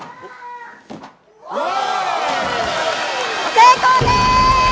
成功です。